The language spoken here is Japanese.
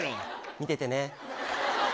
見ててね。